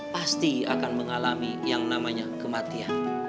pasti akan mengalami yang namanya kematian